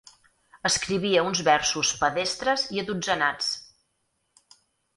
Escrivia uns versos pedestres i adotzenats.